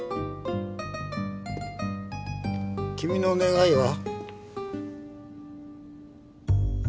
君の願いは？